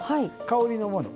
香りのもの